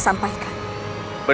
kau masih tidak tiba